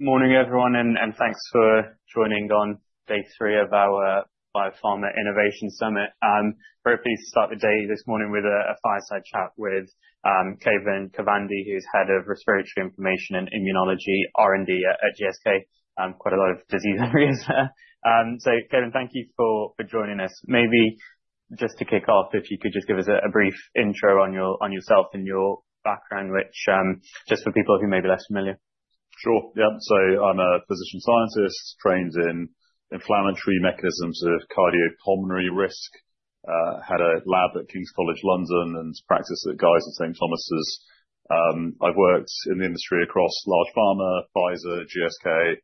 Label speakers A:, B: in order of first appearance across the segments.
A: Morning everyone, and thanks for joining on day three of our Biopharma Innovation Summit. I'm very pleased to start the day this morning with a fireside chat with Kaivan Khavandi, who's Head of Respiratory, Immunology and Inflammation R&D at GSK. Quite a lot of disease areas there. So Kaivan, thank you for joining us. Maybe just to kick off, if you could just give us a brief intro on yourself and your background, which just for people who may be less familiar.
B: Sure, yeah. I'm a physician scientist trained in inflammatory mechanisms of cardiopulmonary risk. Had a lab at King's College London and practice at Guy's and St Thomas'. I've worked in the industry across large pharma, Pfizer, GSK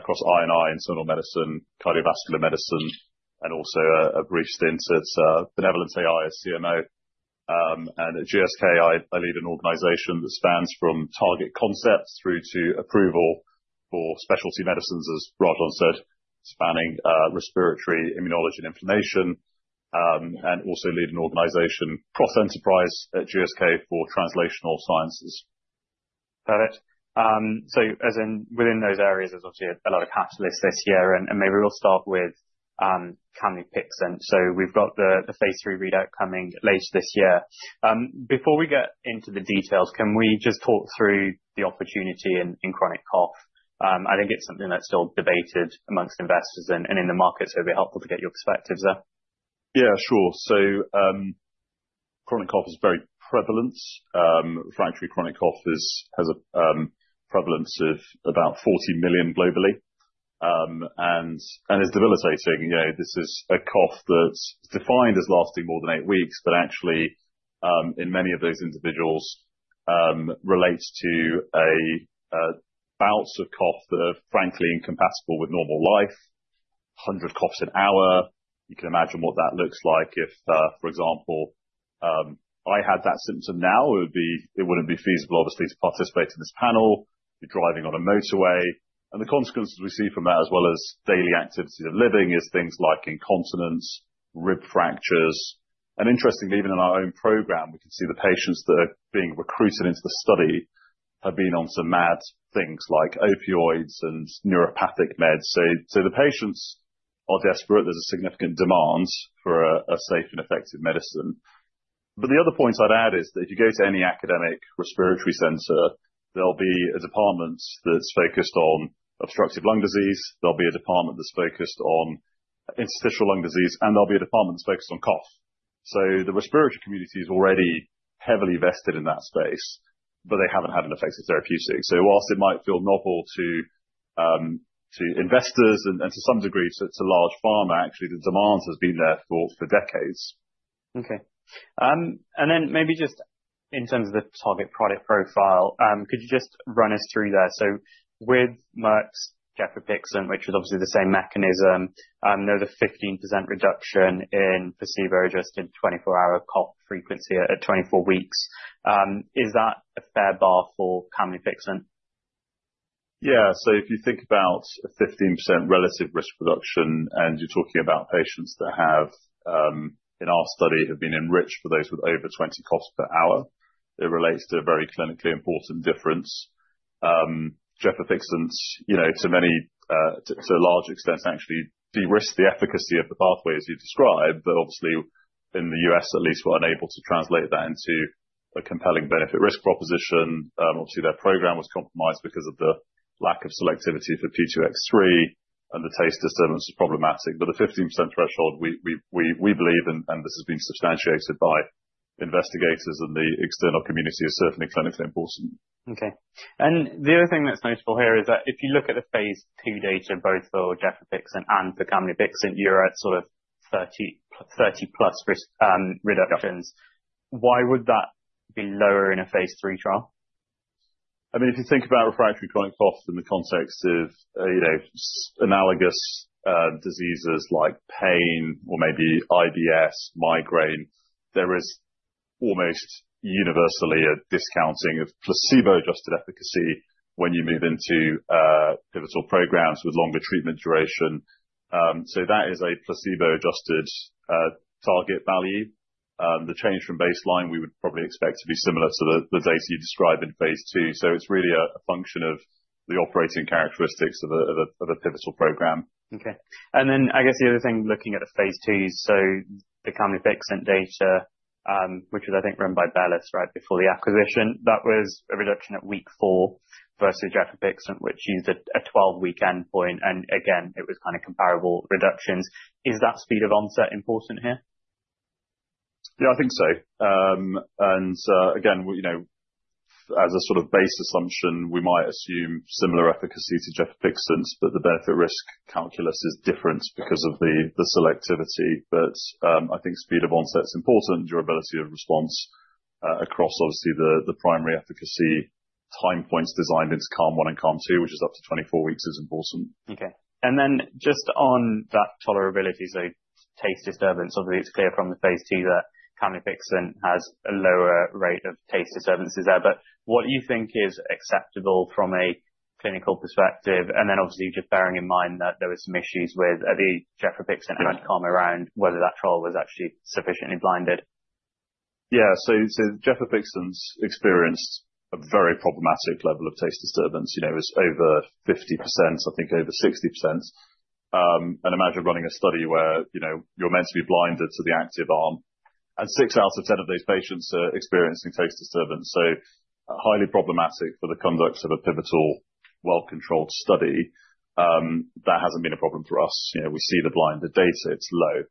B: across I and I, internal medicine, cardiovascular medicine, and also a brief stint at BenevolentAI as CMO. At GSK, I lead an organization that spans from target concepts through to approval for specialty medicines, as Rajan said, spanning respiratory immunology and inflammation, and also lead an organization cross enterprise at GSK for translational sciences.
A: Got it. As in within those areas, there's obviously a lot of catalysts this year. Maybe we'll start with camlipixant. We've got the phase III readout coming later this year. Before we get into the details, can we just talk through the opportunity in chronic cough? I think it's something that's still debated amongst investors and in the market, so it'd be helpful to get your perspectives there.
B: Yeah, sure. Chronic cough is very prevalent. Refractory chronic cough has a prevalence of about 40 million globally. It's debilitating. You know, this is a cough that's defined as lasting more than eight weeks, but actually, in many of those individuals, it relates to bouts of cough that are frankly incompatible with normal life. 100 coughs an hour. You can imagine what that looks like if, for example, I had that symptom now, it wouldn't be feasible obviously to participate in this panel. You're driving on a motorway. The consequences we see from that, as well as daily activity of living, is things like incontinence, rib fractures. Interestingly, even in our own program we can see the patients that are being recruited into the study have been on some mad things like opioids and neuropathic meds. The patients are desperate. There's a significant demand for a safe and effective medicine. The other point I'd add is that if you go to any academic respiratory center, there'll be a department that's focused on obstructive lung disease, there'll be a department that's focused on interstitial lung disease, and there'll be a department that's focused on cough. The respiratory community is already heavily vested in that space, but they haven't had an effective therapeutic. Whilst it might feel novel to investors and to some degree to large pharma, actually the demand has been there for decades.
A: Okay. Maybe just in terms of the target product profile, could you just run us through that? With Merck's gefapixant, which was obviously the same mechanism, there was a 15% reduction in placebo-adjusted 24-hour cough frequency at 24 weeks. Is that a fair bar for camlipixant?
B: Yeah. If you think about a 15% relative risk reduction, and you're talking about patients that have, in our study, have been enriched for those with over 20 coughs per hour, it relates to a very clinically important difference. Gefapixant, you know, to many, to a large extent actually de-risks the efficacy of the pathway as you described. Obviously in the U.S. at least, we're unable to translate that into a compelling benefit risk proposition. Obviously their program was compromised because of the lack of selectivity for P2X3, and the taste disturbance was problematic. The 15% threshold, we believe, and this has been substantiated by investigators and the external community, is certainly clinically important.
A: Okay. The other thing that's notable here is that if you look at the phase II data, both for gefapixant and for camlipixant, you're at sort of 30+ risk reductions. Why would that be lower in a phase III trial?
B: I mean, if you think about refractory chronic cough in the context of, you know, analogous diseases like pain or maybe IBS, migraine, there is almost universally a discounting of placebo-adjusted efficacy when you move into pivotal programs with longer treatment duration. That is a placebo-adjusted target value. The change from baseline, we would probably expect to be similar to the data you described in phase II. It's really a function of the operating characteristics of the pivotal program.
A: Okay. I guess the other thing, looking at the phase IIs, so the camlipixant data, which was I think run by BELLUS right before the acquisition, that was a reduction at week four versus gefapixant, which used a 12-week endpoint, and again, it was kind of comparable reductions. Is that speed of onset important here?
B: Yeah, I think so. Again, you know, as a sort of base assumption, we might assume similar efficacy to gefapixant, but the benefit risk calculus is different because of the selectivity. I think speed of onset is important. Durability of response across obviously the primary efficacy time points designed into CALM-1 and CALM-2, which is up to 24 weeks, is important.
A: Okay. Just on that tolerability, so taste disturbance, although it's clear from the phase II that camlipixant has a lower rate of taste disturbances there. What do you think is acceptable from a clinical perspective? Obviously just bearing in mind that there were some issues with the gefapixant and CALM around whether that trial was actually sufficiently blinded.
B: Yeah. Gefapixant's experienced a very problematic level of taste disturbance. You know, it's over 50%, I think over 60%. Imagine running a study where, you know, you're meant to be blinded to the active arm, and six out of 10 of those patients are experiencing taste disturbance. Highly problematic for the conduct of a pivotal well-controlled study. That hasn't been a problem for us. You know, we see the blinded data, it's low.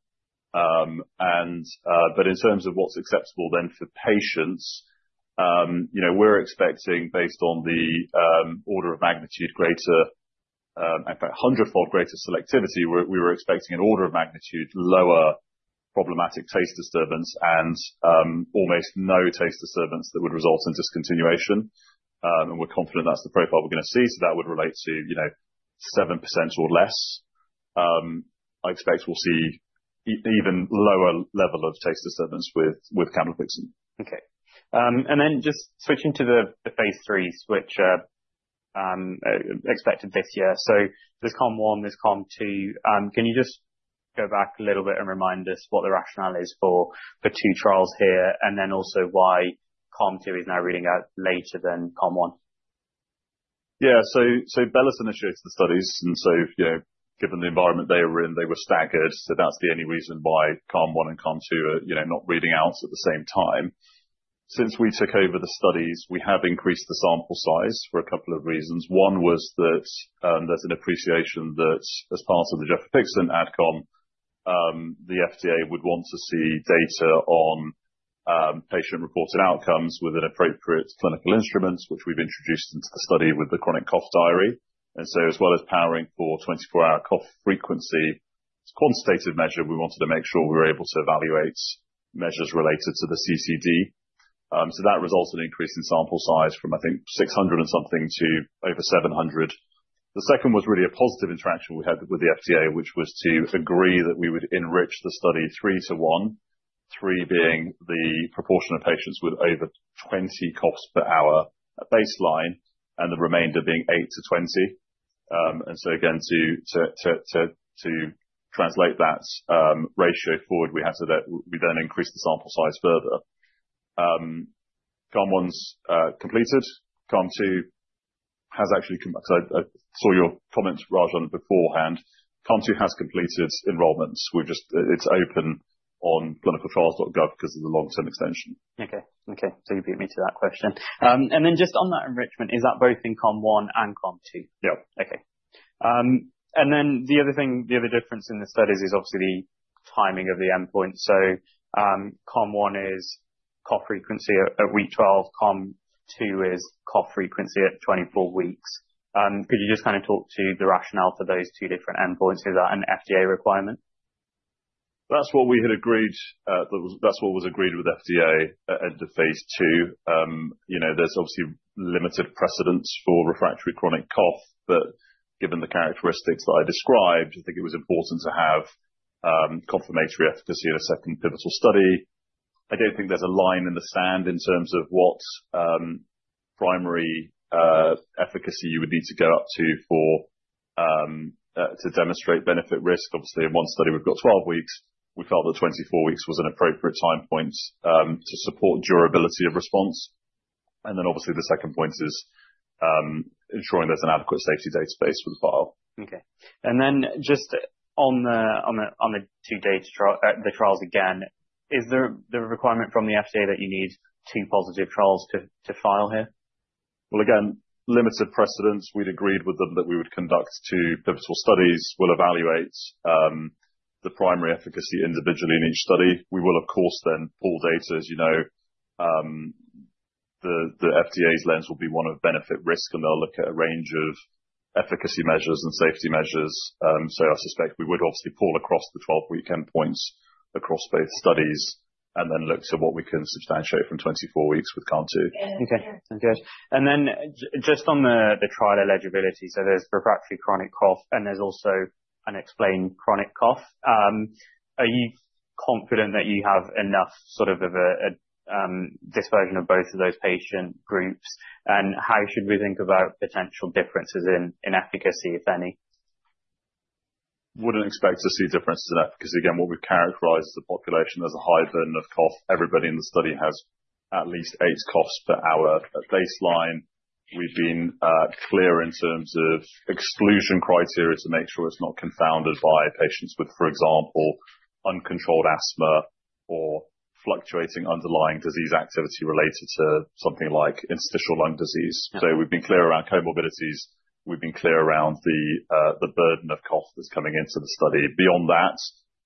B: In terms of what's acceptable then for patients, you know, we're expecting based on the order of magnitude greater, in fact hundredfold greater selectivity. We were expecting an order of magnitude lower problematic taste disturbance and almost no taste disturbance that would result in discontinuation. We're confident that's the profile we're gonna see. That would relate to, you know, 7% or less. I expect we'll see even lower level of taste disturbance with camlipixant.
A: Just switching to the phase IIIs which are expected this year. There's CALM-1, there's CALM-2. Can you just go back a little bit and remind us what the rationale is for the two trials here, and then also why CALM-2 is now reading out later than CALM-1?
B: Yeah. BELLUS initiated the studies and, you know, given the environment they were in, they were staggered. That's the only reason why CALM-1 and CALM-2 are, you know, not reading out at the same time. Since we took over the studies, we have increased the sample size for a couple of reasons. One was that there's an appreciation that as part of the gefapixant AdCom, the FDA would want to see data on patient-reported outcomes with an appropriate clinical instrument, which we've introduced into the study with the Chronic Cough Diary, as well as powering for 24-hour cough frequency as a quantitative measure, we wanted to make sure we were able to evaluate measures related to the CCD. That results in an increase in sample size from, I think, 600-something to over 700. The second was really a positive interaction we had with the FDA, which was to agree that we would enrich the study three to one. Three being the proportion of patients with over 20 coughs per hour at baseline, and the remainder being eight to 20. And so again, to translate that ratio forward, we then increased the sample size further. CALM-1's completed. CALM-2 has actually. I saw your comment Raj on it beforehand. CALM-2 has completed enrollments. We're just. It's open on clinicaltrials.gov 'cause of the long-term extension.
A: Okay. You beat me to that question. Just on that enrichment, is that both in CALM-1 and CALM-2?
B: Yep.
A: Okay. The other thing, the other difference in the studies is obviously timing of the endpoint. CALM-1 is cough frequency at week 12. CALM-2 is cough frequency at 24 weeks. Could you just kinda talk to the rationale for those two different endpoints? Is that an FDA requirement?
B: That's what was agreed with FDA at phase II. You know, there's obviously limited precedents for refractory chronic cough, but given the characteristics that I described, I think it was important to have confirmatory efficacy in a second pivotal study. I don't think there's a line in the sand in terms of what primary efficacy you would need to get up to for to demonstrate benefit risk. Obviously in one study we've got 12 weeks. We felt that 24 weeks was an appropriate time point to support durability of response. Obviously the second point is ensuring there's an adequate safety data space for the file.
A: Okay. Just on the two pivotal trial, the trials again, is there the requirement from the FDA that you need two positive trials to file here?
B: Well, again, limited precedents. We'd agreed with them that we would conduct two pivotal studies. We'll evaluate the primary efficacy individually in each study. We will of course then pool data. As you know, the FDA's lens will be one of benefit risk, and they'll look at a range of efficacy measures and safety measures. I suspect we would obviously pool across the 12-week endpoints across both studies and then look to what we can substantiate from 24 weeks with CALM-2.
A: Okay. Good. Just on the trial eligibility. There's refractory chronic cough and there's also unexplained chronic cough. Are you confident that you have enough sort of a dispersion of both of those patient groups? How should we think about potential differences in efficacy, if any?
B: Wouldn't expect to see differences in efficacy. Again, as we've characterized the population, there's a high burden of cough. Everybody in the study has at least eight coughs per hour at baseline. We've been clear in terms of exclusion criteria to make sure it's not confounded by patients with, for example, uncontrolled asthma or fluctuating underlying disease activity related to something like interstitial lung disease.
A: Okay.
B: We've been clear around comorbidities. We've been clear around the burden of cough that's coming into the study. Beyond that,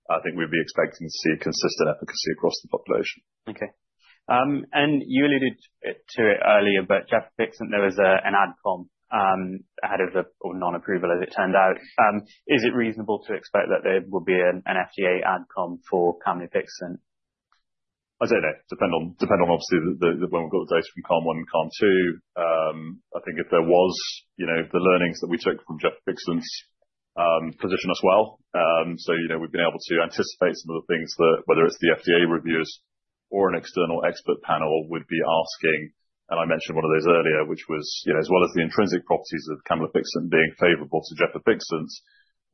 B: I think we'd be expecting to see a consistent efficacy across the population.
A: Okay. You alluded to it earlier, but gefapixant, there was an AdCom ahead of the or non-approval as it turned out. Is it reasonable to expect that there will be an FDA AdCom for camlipixant?
B: I don't know. It depends on obviously when we've got the data from CALM-1 and CALM-2. I think if there was, you know, the learnings that we took from gefapixant position as well. You know, we've been able to anticipate some of the things that whether it's the FDA reviews or an external expert panel would be asking. I mentioned one of those earlier, which was, you know, as well as the intrinsic properties of camlipixant being favorable to gefapixant,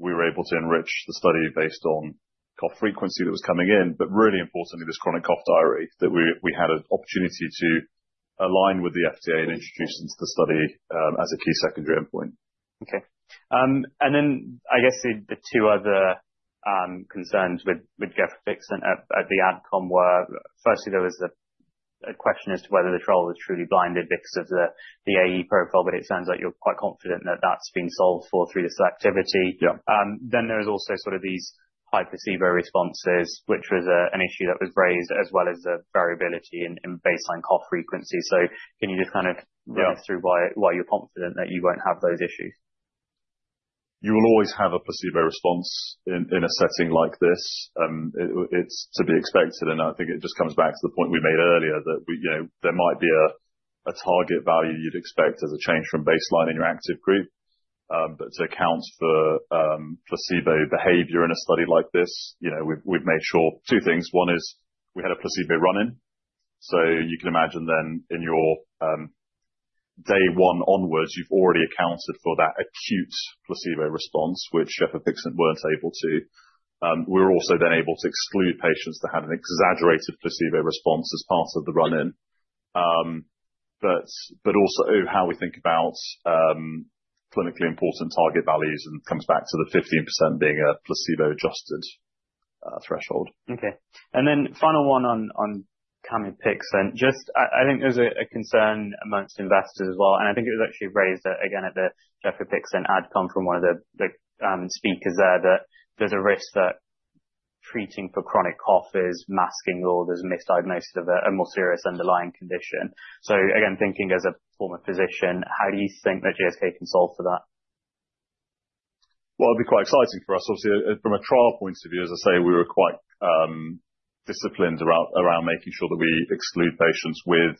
B: we were able to enrich the study based on cough frequency that was coming in. Really importantly, this Chronic Cough Diary that we had an opportunity to align with the FDA and introduce into the study as a key secondary endpoint.
A: Okay. I guess the two other concerns with gefapixant at the outcome were firstly, there was a question as to whether the trial was truly blinded because of the AE profile, but it sounds like you're quite confident that that's been solved for through the selectivity.
B: Yeah.
A: There's also sort of these high placebo responses, which was an issue that was raised as well as the variability in baseline cough frequency. Can you just kind of-
B: Yeah.
A: Walk us through why you're confident that you won't have those issues?
B: You will always have a placebo response in a setting like this. It's to be expected, and I think it just comes back to the point we made earlier that we, you know, there might be a target value you'd expect as a change from baseline in your active group. But to account for placebo behavior in a study like this, you know, we've made sure two things. One is we had a placebo run-in. So you can imagine then in your day one onwards, you've already accounted for that acute placebo response, which gefapixant weren't able to. We're also then able to exclude patients that had an exaggerated placebo response as part of the run-in. But also how we think about clinically important target values and comes back to the 15% being a placebo-adjusted threshold.
A: Okay. Then final one on camlipixant. Just I think there's a concern among investors as well, and I think it was actually raised again at the gefapixant AdCom from one of the speakers there. That there's a risk that treating for chronic cough is masking or there's a misdiagnosis of a more serious underlying condition. Again, thinking as a former physician, how do you think that GSK can solve for that?
B: Well, it'd be quite exciting for us. Obviously from a trial point of view, as I say, we were quite disciplined around making sure that we exclude patients with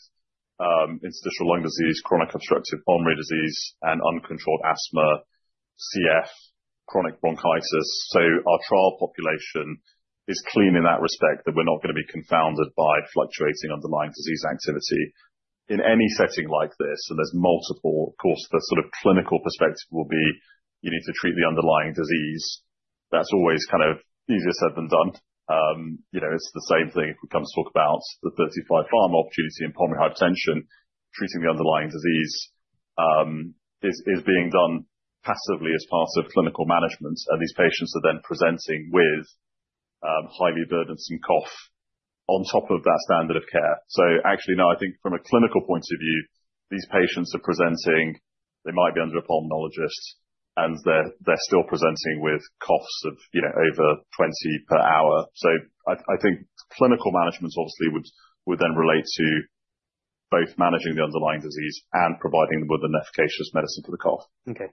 B: interstitial lung disease, chronic obstructive pulmonary disease, and uncontrolled asthma, CF, chronic bronchitis. Our trial population is clean in that respect that we're not gonna be confounded by fluctuating underlying disease activity. In any setting like this, of course, the sort of clinical perspective will be you need to treat the underlying disease. That's always kind of easier said than done. You know, it's the same thing if we come to talk about the broader pharma opportunity in pulmonary hypertension. Treating the underlying disease is being done passively as part of clinical management, and these patients are then presenting with highly burdensome cough on top of that standard of care. Actually, no, I think from a clinical point of view, these patients are presenting, they might be under a pulmonologist, and they're still presenting with coughs of, you know, over 20 per hour. I think clinical management obviously would then relate to both managing the underlying disease and providing them with an efficacious medicine for the cough.
A: Okay.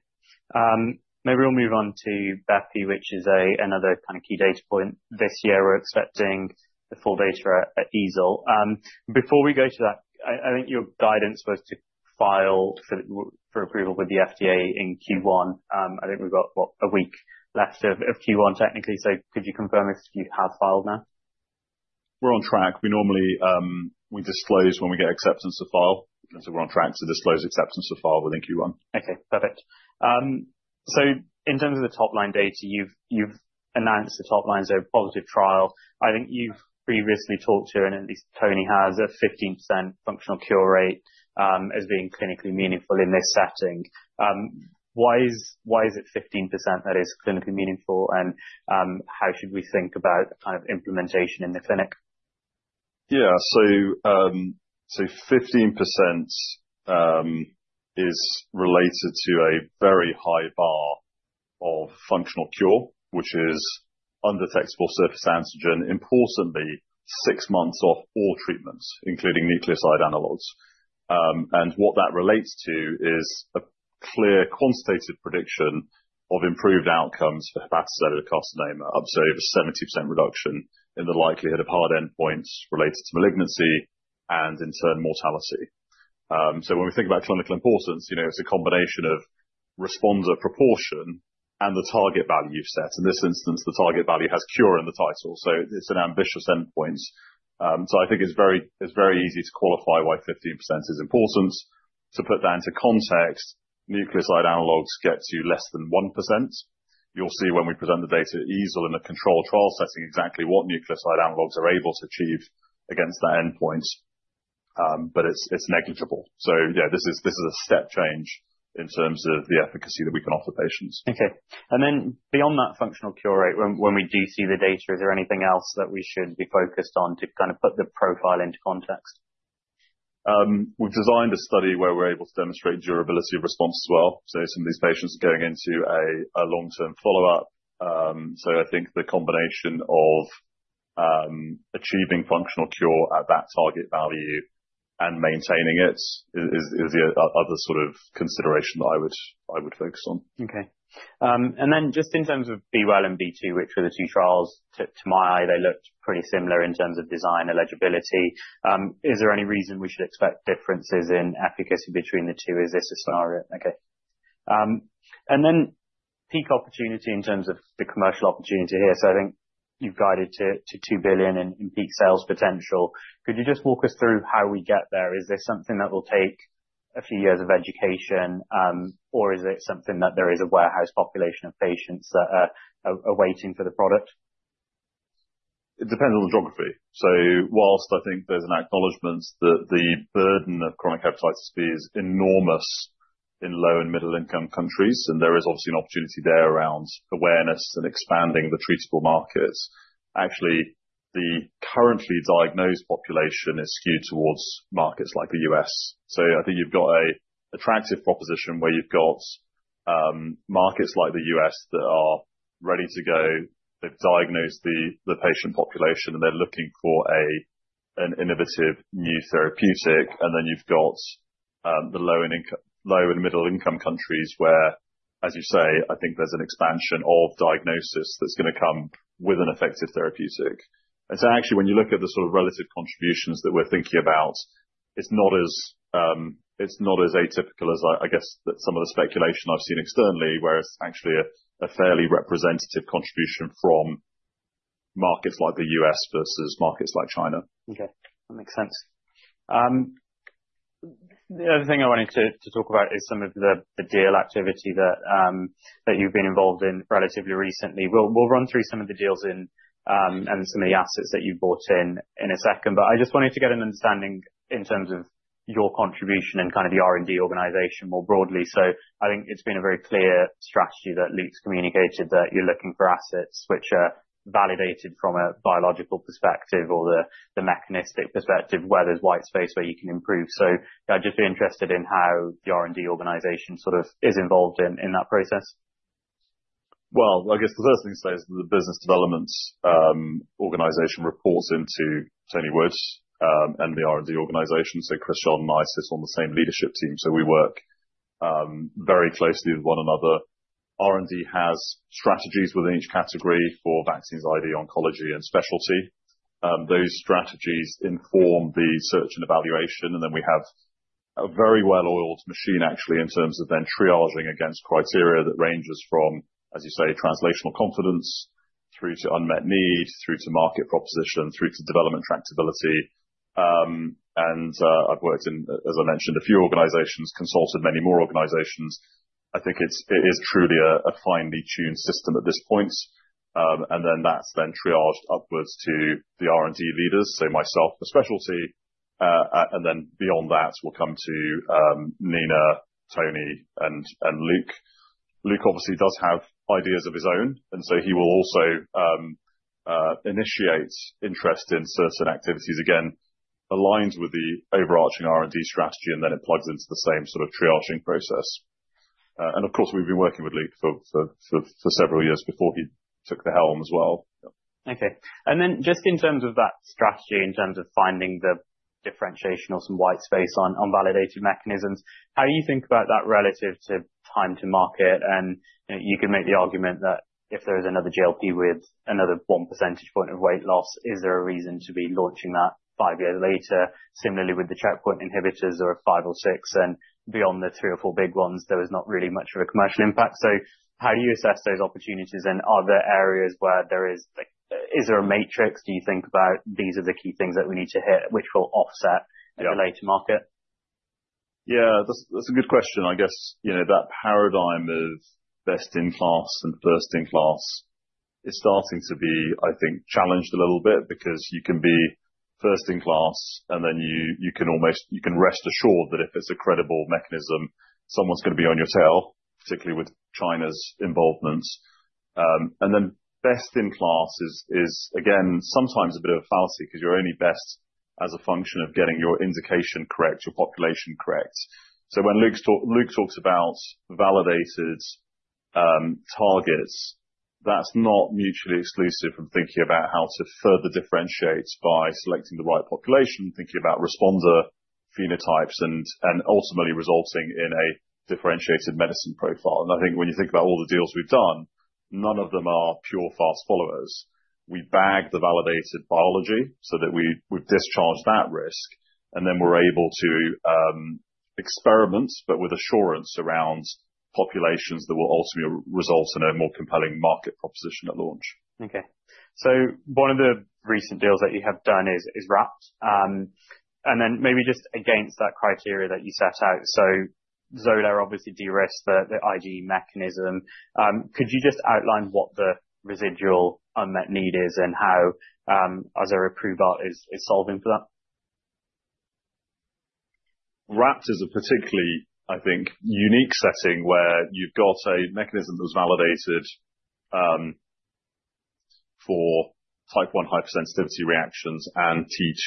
A: Maybe we'll move on to bepirovirsen, which is another kinda key data point this year. We're expecting the full data at EASL. Before we go to that, I think your guidance was to file for approval with the FDA in Q1. I think we've got, what? A week left of Q1, technically. Could you confirm if you have filed now?
B: We're on track. We normally disclose when we get acceptance to file. We're on track to disclose acceptance to file within Q1.
A: Okay, perfect. In terms of the top-line data, you've announced the top line is a positive trial. I think you've previously talked to, and at least Tony has, a 15% functional cure rate, as being clinically meaningful in this setting. Why is it 15% that is clinically meaningful and, how should we think about the kind of implementation in the clinic?
B: Yeah. 15% is related to a very high bar of functional cure, which is undetectable surface antigen, importantly, six months off all treatments, including nucleoside analogs. What that relates to is a clear quantitative prediction of improved outcomes for hepatocellular carcinoma. Obviously, a 70% reduction in the likelihood of hard endpoints related to malignancy and in turn mortality. When we think about clinical importance, you know, it's a combination of responder proportion and the target value you've set. In this instance, the target value has cure in the title, so it's an ambitious endpoint. I think it's very easy to qualify why 15% is important. To put that into context, nucleoside analogs get to less than 1%. You'll see when we present the data at EASL in a controlled trial setting exactly what nucleoside analogs are able to achieve against that endpoint. It's negligible. Yeah, this is a step change in terms of the efficacy that we can offer patients.
A: Okay. Beyond that functional cure rate, when we do see the data, is there anything else that we should be focused on to kind of put the profile into context?
B: We've designed a study where we're able to demonstrate durability of response as well. Some of these patients are going into a long-term follow-up. I think the combination of achieving functional cure at that target value and maintaining it is the other sort of consideration that I would focus on.
A: Just in terms of B-Well and B-Well 2, which were the two trials. To my eye, they looked pretty similar in terms of design eligibility. Is there any reason we should expect differences in efficacy between the two? Is this a scenario? Peak opportunity in terms of the commercial opportunity here. I think you've guided to $2 billion in peak sales potential. Could you just walk us through how we get there? Is this something that will take a few years of education, or is it something that there is a warehoused population of patients that are waiting for the product?
B: It depends on the geography. While I think there's an acknowledgement that the burden of chronic hepatitis B is enormous in low and middle income countries, and there is obviously an opportunity there around awareness and expanding the treatable markets. Actually, the currently diagnosed population is skewed towards markets like the U.S. I think you've got an attractive proposition where you've got markets like the U.S. that are ready to go. They've diagnosed the patient population, and they're looking for an innovative new therapeutic. And then you've got the low and middle income countries where, as you say, I think there's an expansion of diagnosis that's gonna come with an effective therapeutic. Actually, when you look at the sort of relative contributions that we're thinking about, it's not as atypical as I guess that some of the speculation I've seen externally. Where it's actually a fairly representative contribution from markets like the U.S. versus markets like China.
A: Okay, that makes sense. The other thing I wanted to talk about is some of the deal activity that you've been involved in relatively recently. We'll run through some of the deals and some of the assets that you've bought in a second. But I just wanted to get an understanding in terms of your contribution and kind of the R&D organization more broadly. I think it's been a very clear strategy that Luke's communicated that you're looking for assets which are validated from a biological perspective or the mechanistic perspective, where there's white space where you can improve. I'd just be interested in how the R&D organization sort of is involved in that process.
B: Well, I guess the first thing to say is the business development organization reports into Tony Wood and the R&D organization. Christian and I sit on the same leadership team, so we work very closely with one another. R&D has strategies within each category for vaccines, ID, oncology, and specialty. Those strategies inform the search and evaluation. Then we have a very well-oiled machine actually, in terms of then triaging against criteria that ranges from, as you say, translational confidence through to unmet need, through to market proposition, through to development tractability. I've worked in, as I mentioned, a few organizations, consulted many more organizations. I think it is truly a finely tuned system at this point. Then that's then triaged upwards to the R&D leaders, so myself for specialty. Beyond that, we'll come to Nina, Tony, and Luke. Luke obviously does have ideas of his own, so he will also initiate interest in certain activities. Again, aligns with the overarching R&D strategy, then it plugs into the same sort of triaging process. Of course, we've been working with Luke for several years before he took the helm as well.
A: Okay. Just in terms of that strategy, in terms of finding the differentiation or some white space on validated mechanisms, how do you think about that relative to time to market? You can make the argument that if there's another GLP with another one percentage point of weight loss, is there a reason to be launching that five years later? Similarly, with the checkpoint inhibitors or five or six and beyond the three or four big ones, there is not really much of a commercial impact. How do you assess those opportunities and are there areas where there is like, is there a matrix? Do you think about these are the key things that we need to hit which will offset the later market?
B: Yeah. That's a good question. I guess, you know, that paradigm of best in class and first in class is starting to be, I think, challenged a little bit because you can be first in class and then you can rest assured that if it's a credible mechanism, someone's gonna be on your tail, particularly with China's involvement. Best in class is again sometimes a bit of a fallacy 'cause you're only best as a function of getting your indication correct, your population correct. When Luke talks about validated targets, that's not mutually exclusive from thinking about how to further differentiate by selecting the right population, thinking about responder phenotypes and ultimately resulting in a differentiated medicine profile. I think when you think about all the deals we've done, none of them are pure fast followers. We bag the validated biology so that we've discharged that risk, and then we're able to experiment, but with assurance around populations that will also result in a more compelling market proposition at launch.
A: One of the recent deals that you have done is RAPT. And then maybe just against that criteria that you set out. Xolair obviously de-risked the IgE mechanism. Could you just outline what the residual unmet need is and how Arzerra is solving for that?
B: RAPT is a particularly, I think, unique setting where you've got a mechanism that was validated for type I hypersensitivity reactions and T2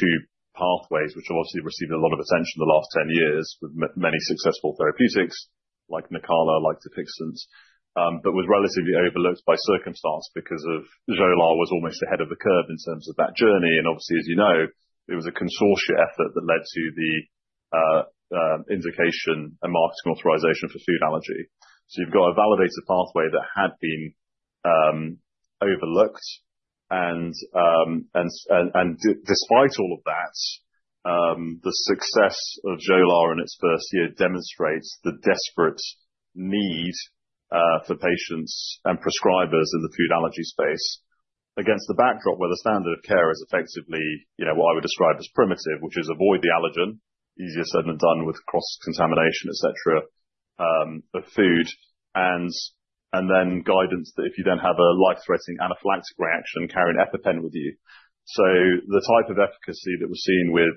B: pathways, which obviously received a lot of attention in the last 10 years with many successful therapeutics like Nucala, like Dupixent, but was relatively overlooked by circumstance because Xolair was almost ahead of the curve in terms of that journey. Obviously, as you know, it was a consortium effort that led to the indication and marketing authorization for food allergy. You've got a validated pathway that had been overlooked. Despite all of that, the success of Xolair in its first year demonstrates the desperate need for patients and prescribers in the food allergy space against the backdrop where the standard of care is effectively, you know, what I would describe as primitive, which is avoid the allergen. Easier said than done with cross-contamination, et cetera, of food. Guidance that if you then have a life-threatening anaphylactic reaction, carry an EpiPen with you. The type of efficacy that we're seeing with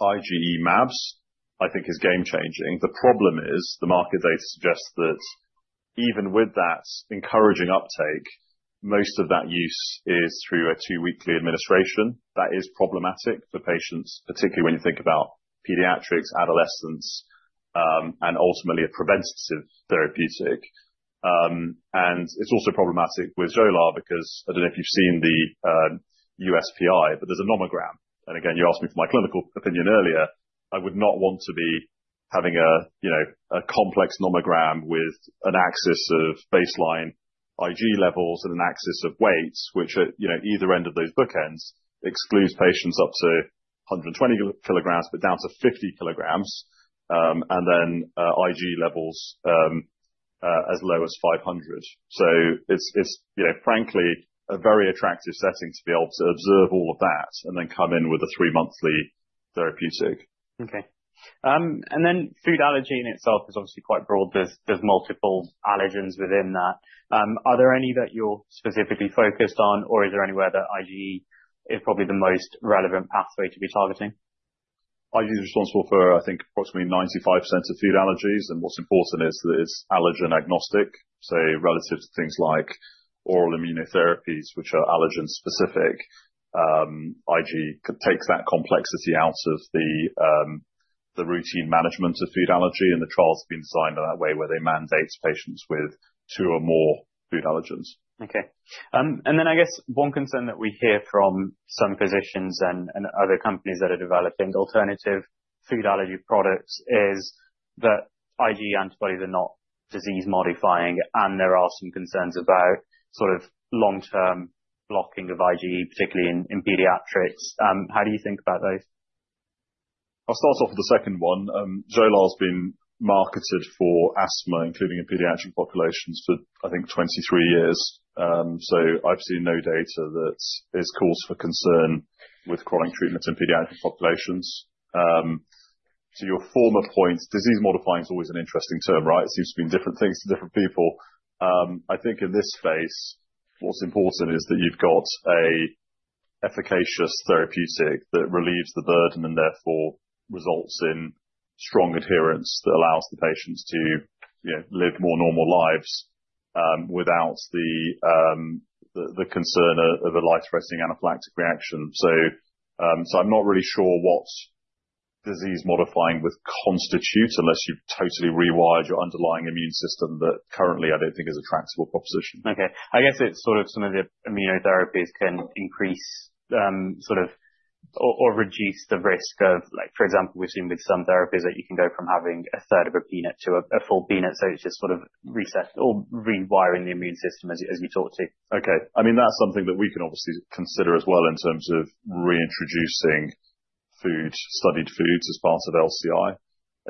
B: IgE mAbs, I think is game changing. The problem is the market data suggests that even with that encouraging uptake, most of that use is through a two-weekly administration. That is problematic for patients, particularly when you think about pediatrics, adolescents, and ultimately a preventative therapeutic. It's also problematic with Xolair because I don't know if you've seen the USPI, but there's a nomogram. Again, you asked me for my clinical opinion earlier. I would not want to be having a, you know, a complex nomogram with an axis of baseline IgE levels and an axis of weights which are, you know, either end of those bookends excludes patients up to 120 kg but down to 50 kg, and then IgE levels as low as 500 kg. It's, you know, frankly a very attractive setting to be able to observe all of that and then come in with a three monthly therapeutic.
A: Okay. Food allergy in itself is obviously quite broad. There's multiple allergens within that. Are there any that you're specifically focused on or is there any way that IgE is probably the most relevant pathway to be targeting?
B: IgE is responsible for, I think approximately 95% of food allergies. What's important is that it's allergen agnostic. Say relative to things like oral immunotherapies, which are allergen specific, IgE takes that complexity out of the routine management of food allergy. The trial's been designed in that way where they mandate patients with two or more food allergens.
A: Okay. I guess one concern that we hear from some physicians and other companies that are developing alternative food allergy products is that IgE antibodies are not disease modifying. There are some concerns about sort of long-term blocking of IgE, particularly in pediatrics. How do you think about those?
B: I'll start off with the second one. Xolair has been marketed for asthma, including in pediatric populations, for I think 23 years. I've seen no data that is cause for concern with chronic treatments in pediatric populations. To your former point, disease-modifying is always an interesting term, right? It seems to mean different things to different people. I think in this space what's important is that you've got a efficacious therapeutic that relieves the burden and therefore results in strong adherence that allows the patients to, you know, live more normal lives, without the concern of a life-threatening anaphylactic reaction. I'm not really sure what disease-modifying would constitute unless you totally rewired your underlying immune system that currently I don't think is a tractable proposition.
A: Okay. I guess it's sort of some of the immunotherapies can increase, sort of, or reduce the risk of like for example, we've seen with some therapies that you can go from having a third of a peanut to a full peanut. It's just sort of reset or rewiring the immune system as you talk to.
B: Okay. I mean that's something that we can obviously consider as well in terms of reintroducing food, studied foods as part of LCI.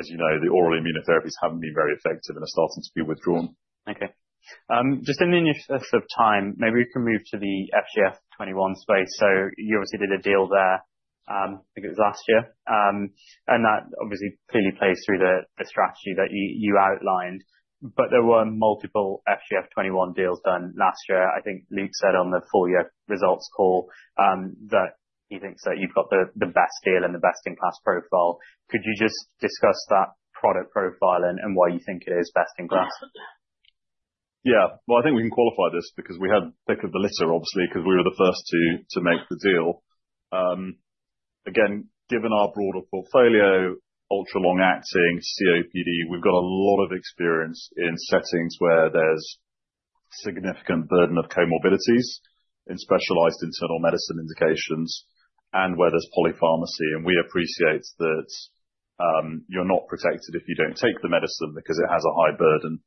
B: As you know, the oral immunotherapies haven't been very effective and are starting to be withdrawn.
A: Okay. Just in the interest of time, maybe we can move to the FGF21 space. You obviously did a deal there, I think it was last year. That obviously clearly plays through the strategy that you outlined, but there were multiple FGF21 deals done last year. I think Luke said on the full year results call, that he thinks that you've got the best deal and the best in class profile. Could you just discuss that product profile and why you think it is best in class?
B: Yeah. Well, I think we can qualify this because we had pick of the litter obviously, because we were the first to make the deal. Again, given our broader portfolio, ultra-long-acting COPD, we've got a lot of experience in settings where there's significant burden of comorbidities in specialized internal medicine indications and where there's polypharmacy. We appreciate that you're not protected if you don't take the medicine because it has a high burden.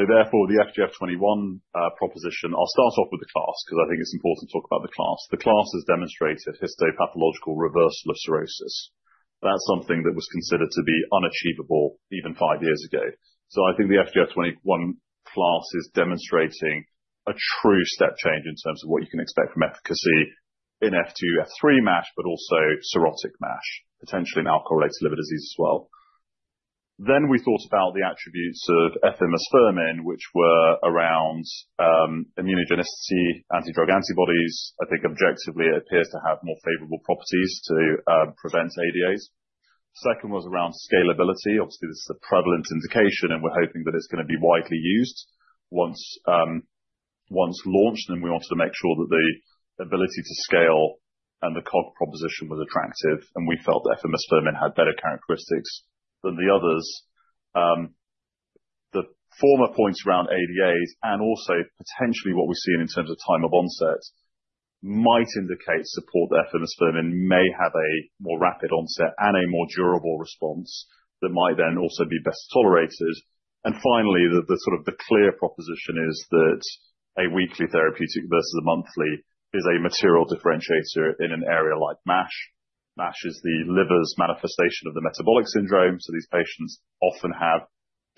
B: Therefore the FGF21 proposition. I'll start off with the class because I think it's important to talk about the class. The class has demonstrated histopathological reversal of cirrhosis. That's something that was considered to be unachievable even five years ago. I think the FGF21 class is demonstrating a true step change in terms of what you can expect from efficacy in F2/F3 MASH, but also cirrhotic MASH potentially in alcohol-related liver disease as well. Then we thought about the attributes of efimosfermin which were around immunogenicity, anti-drug antibodies. I think objectively it appears to have more favorable properties to prevent ADAs. Second was around scalability. Obviously, this is a prevalent indication and we're hoping that it's gonna be widely used once launched. We wanted to make sure that the ability to scale and the COGS proposition was attractive. We felt efimosfermin had better characteristics than the others. The former points around ADAs and also potentially what we've seen in terms of time of onset might indicate support there for efimosfermin may have a more rapid onset and a more durable response that might then also be best tolerated. Finally, the sort of the clear proposition is that a weekly therapeutic versus a monthly is a material differentiator in an area like MASH. MASH is the liver's manifestation of the metabolic syndrome. These patients often have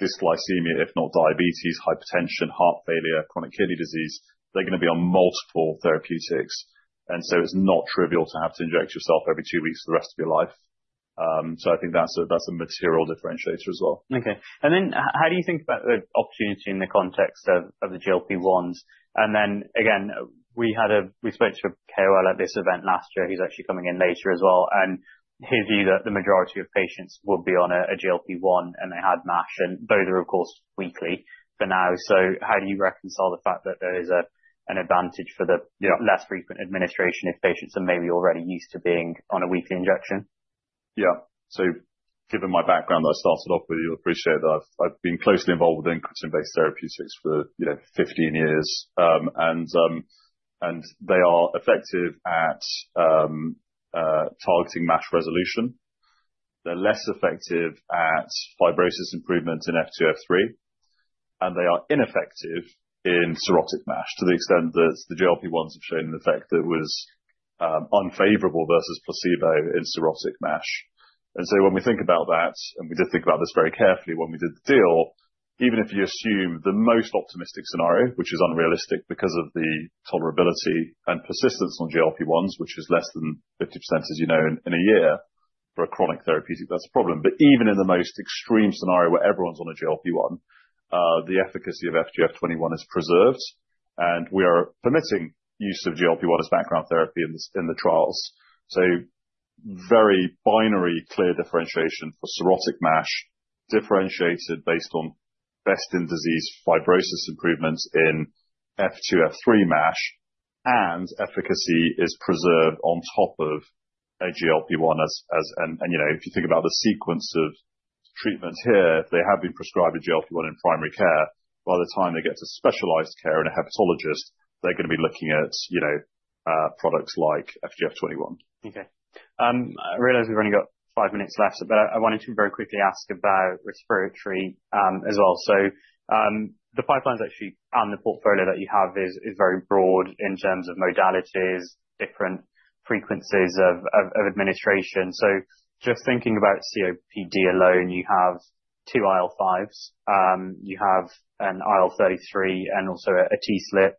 B: dysglycemia, if not diabetes, hypertension, heart failure, chronic kidney disease. They're gonna be on multiple therapeutics. It's not trivial to have to inject yourself every two weeks for the rest of your life. I think that's a material differentiator as well.
A: Okay. How do you think about the opportunity in the context of the GLP-1s? We spoke to a KOL at this event last year. He's actually coming in later as well. His view that the majority of patients will be on a GLP-1, and they had MASH, and both are of course weekly for now. How do you reconcile the fact that there is an advantage for the-
B: Yeah.
A: Less frequent administration if patients are maybe already used to being on a weekly injection?
B: Yeah. Given my background that I started off with, you'll appreciate that I've been closely involved with insulin-based therapeutics for, you know, 15 years. They are effective at targeting MASH resolution. They're less effective at fibrosis improvements in F2/F3, and they are ineffective in cirrhotic MASH to the extent that the GLP-1s have shown an effect that was unfavorable versus placebo in cirrhotic MASH. When we think about that, and we did think about this very carefully when we did the deal, even if you assume the most optimistic scenario, which is unrealistic because of the tolerability and persistence on GLP-1s, which is less than 50%, as you know, in a year. For a chronic therapeutic, that's a problem. Even in the most extreme scenario where everyone's on a GLP-1, the efficacy of FGF21 is preserved, and we are permitting use of GLP-1 as background therapy in the trials. Very binary clear differentiation for cirrhotic MASH, differentiated based on best in disease fibrosis improvements in F2/F3 MASH, and efficacy is preserved on top of a GLP-1 as, and, you know, if you think about the sequence of treatment here, they have been prescribed a GLP-1 in primary care. By the time they get to specialized care and a hepatologist, they're gonna be looking at, you know, products like FGF21.
A: Okay. I realize we've only got five minutes left, but I wanted to very quickly ask about respiratory as well. The pipeline's actually, and the portfolio that you have is very broad in terms of modalities, different frequencies of administration. Just thinking about COPD alone, you have two IL-5s. You have an IL-33 and also a TSLP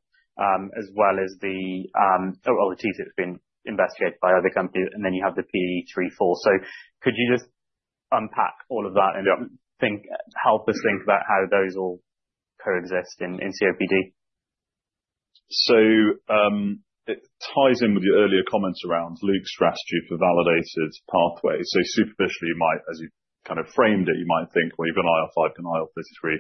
A: as well as the, or the TSLP's been investigated by other companies, and then you have the PDE4. Could you just unpack all of that and help us think about how those all coexist in COPD.
B: It ties in with your earlier comments around Luke's strategy for validated pathways. Superficially, you might, as you kind of framed it, you might think, well, you've an IL-5, an IL-33,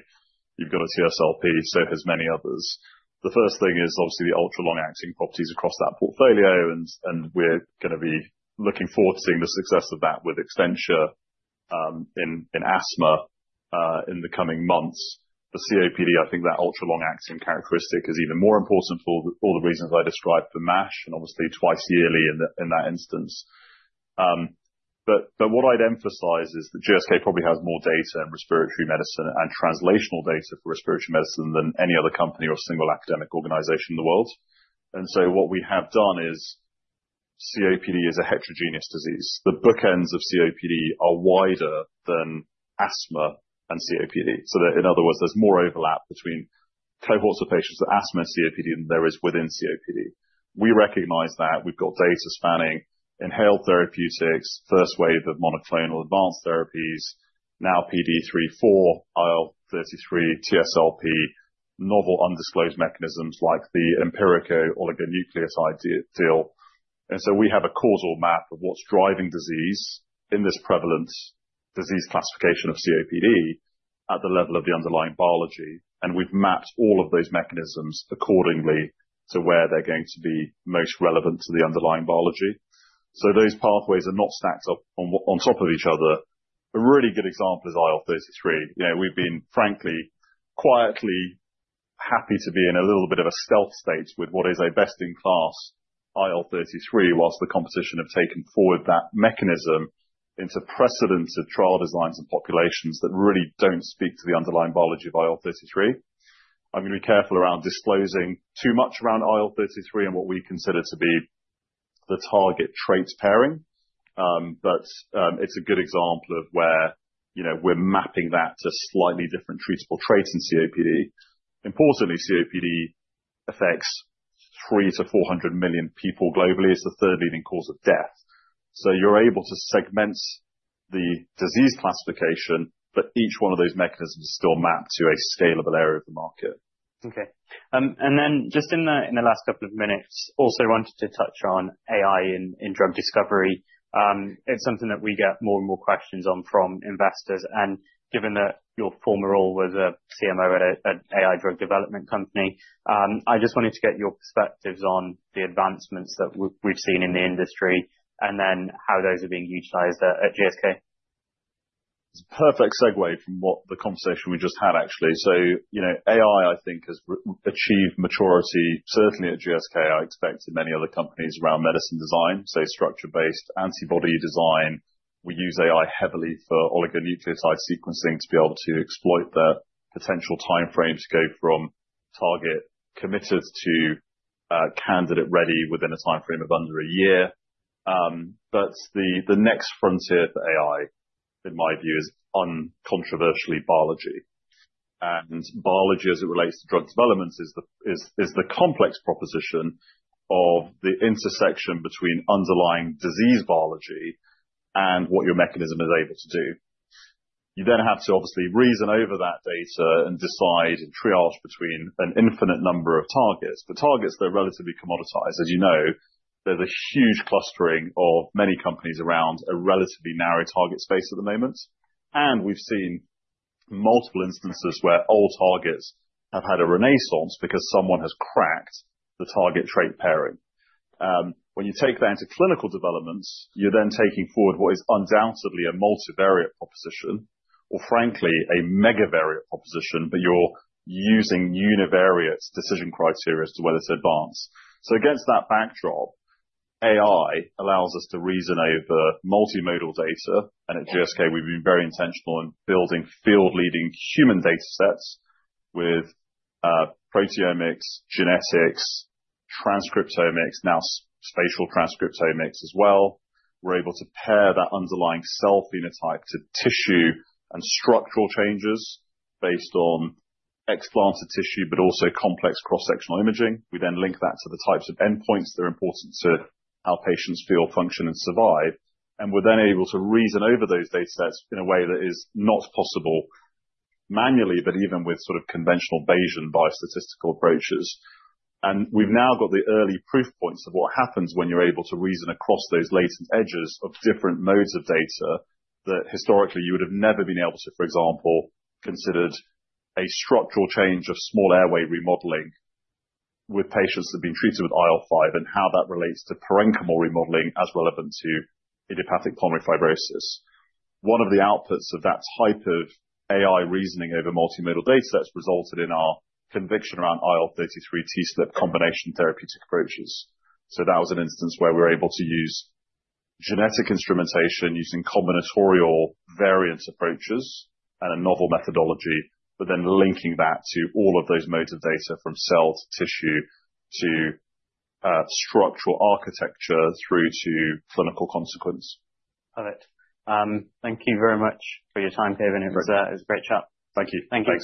B: you've got a TSLP, so has many others. The first thing is obviously the ultra-long-acting properties across that portfolio and we're gonna be looking forward to seeing the success of that with Exdensur in asthma in the coming months. For COPD, I think that ultra-long-acting characteristic is even more important for all the reasons I described for MASH, and obviously twice yearly in that instance. But what I'd emphasize is that GSK probably has more data in respiratory medicine and translational data for respiratory medicine than any other company or single academic organization in the world. What we have done is COPD is a heterogeneous disease. The bookends of COPD are wider than asthma and COPD, so that in other words, there's more overlap between cohorts of patients with asthma, COPD than there is within COPD. We recognize that. We've got data spanning inhaled therapeutics, first wave of monoclonal advanced therapies, now PDE4, IL-33, TSLP, novel undisclosed mechanisms like the Empirico oligonucleotide deal. We have a causal map of what's driving disease in this prevalent disease classification of COPD at the level of the underlying biology. We've mapped all of those mechanisms accordingly to where they're going to be most relevant to the underlying biology. Those pathways are not stacked up on top of each other. A really good example is IL-33. You know, we've been frankly, quietly happy to be in a little bit of a stealth stage with what is a best in class IL-33 whilst the competition have taken forward that mechanism into precedents of trial designs and populations that really don't speak to the underlying biology of IL-33. I'm gonna be careful around disclosing too much around IL-33 and what we consider to be the target traits pairing. It's a good example of where, you know, we're mapping that to slightly different treatable traits in COPD. Importantly, COPD affects 300-400 million people globally. It's the third leading cause of death. You're able to segment the disease classification, but each one of those mechanisms still map to a scalable area of the market.
A: Okay. Just in the last couple of minutes, also wanted to touch on AI in drug discovery. It's something that we get more and more questions on from investors. Given that your former role was a CMO at an AI drug development company, I just wanted to get your perspectives on the advancements that we've seen in the industry and then how those are being utilized at GSK.
B: Perfect segue from what the conversation we just had actually. You know, AI, I think, has achieved maturity, certainly at GSK. I expect in many other companies around medicine design. Structure-based antibody design. We use AI heavily for oligonucleotide sequencing to be able to exploit the potential timeframe to go from target committed to candidate ready within a timeframe of under a year. But the next frontier for AI, in my view, is uncontroversially biology. Biology as it relates to drug development is the complex proposition of the intersection between underlying disease biology and what your mechanism is able to do. You then have to obviously reason over that data and decide and triage between an infinite number of targets. The targets that are relatively commoditized. As you know, there's a huge clustering of many companies around a relatively narrow target space at the moment. We've seen multiple instances where old targets have had a renaissance because someone has cracked the target trait pairing. When you take that into clinical development, you're then taking forward what is undoubtedly a multivariate proposition or frankly a mega variant proposition, but you're using univariate decision criteria as to whether to advance. Against that backdrop, AI allows us to reason over multimodal data. At GSK we've been very intentional in building field-leading human datasets with proteomics, genetics, transcriptomics, now spatial transcriptomics as well. We're able to pair that underlying cell phenotype to tissue and structural changes based on explanted tissue, but also complex cross-sectional imaging. We then link that to the types of endpoints that are important to how patients feel, function and survive. We're then able to reason over those datasets in a way that is not possible manually, but even with sort of conventional Bayesian biostatistical approaches. We've now got the early proof points of what happens when you're able to reason across those latent edges of different modes of data that historically you would have never been able to. For example, consider a structural change of small airway remodeling with patients that have been treated with IL-5 and how that relates to parenchymal remodeling as relevant to idiopathic pulmonary fibrosis. One of the outputs of that type of AI reasoning over multimodal datasets resulted in our conviction around IL-33 TSLP combination therapeutic approaches. That was an instance where we were able to use genetic instrumentation using combinatorial variance approaches and a novel methodology, but then linking that to all of those modes of data from cell to tissue to structural architecture through to clinical consequence.
A: Perfect. Thank you very much for your time, Kaivan.
B: No problem.
A: It was a great chat.
B: Thank you.
A: Thank you.